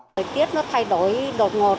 thời tiết nó thay đổi đột ngọt